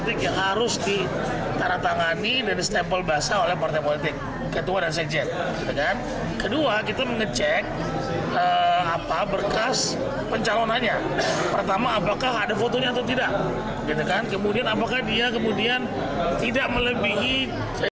terakhir adalah berkas dari fakta integritas